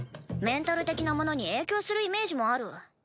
メンタル的なものに影響するイメージもある。